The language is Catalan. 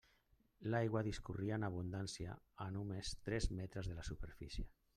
L'aigua discorria en abundància a només tres metres de la superfície.